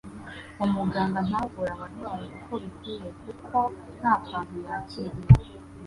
umuganga ntavure abarwayi uko bikwiye kuko nta kantu yakiriye.